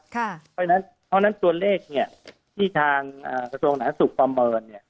เพราะฉะนั้นตัวเลขที่ทางส่วนขนาดสุขประเมิน